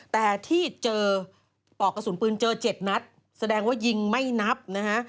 แต่ที่เจอปอกกระสุนปืนเจอ๗นัดแสดงว่ายิงไม่นับนะฮะ